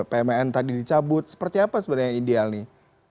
pmn tadi dicabut seperti apa sebenarnya yang ideal nih